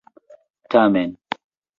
Tamen.